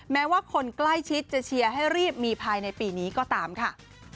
แม้ว่าคนใกล้ชิดจะเชียร์ให้รีบมีภายในปีนี้ก็ตามค่ะ